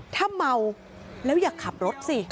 ถ้าเมาแล้วอยากขับรถสิ